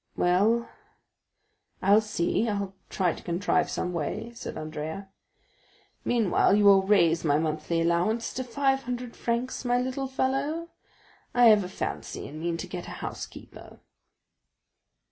"Well, I'll see—I'll try to contrive some way," said Andrea. "Meanwhile you will raise my monthly allowance to five hundred francs, my little fellow? I have a fancy, and mean to get a housekeeper."